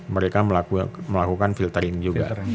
mereka melakukan filtering juga